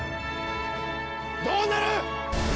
どうなる！